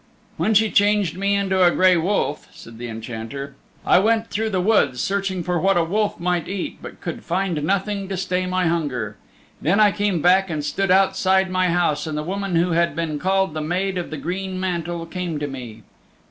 When she changed me into a gray wolf," said the Enchanter, "I went through the woods searching for what a wolf might eat, but could find nothing to stay my hunger. Then I came back and stood outside my house and the woman who had been called the Maid of the Green Mantle came to me.